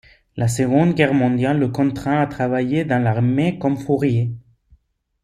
La Seconde Guerre mondiale le contraint à travailler dans l'armée comme fourrier.